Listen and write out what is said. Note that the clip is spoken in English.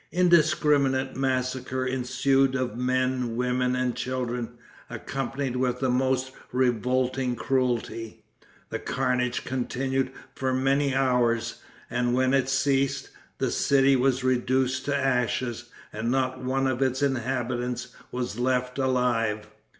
Indiscriminate massacre ensued of men, women and children, accompanied with the most revolting cruelty. The carnage continued for many hours, and, when it ceased, the city was reduced to ashes, and not one of its inhabitants was left alive.